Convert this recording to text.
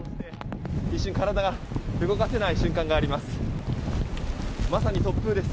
一瞬、体が動かせない瞬間があります。